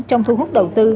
trong thu hút đầu tư